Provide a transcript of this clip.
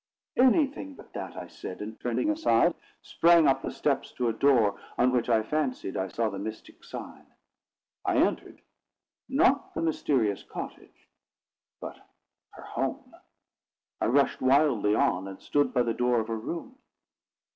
"Anything but that," I said, and, turning aside, sprang up the steps to a door, on which I fancied I saw the mystic sign. I entered—not the mysterious cottage, but her home. I rushed wildly on, and stood by the door of her room.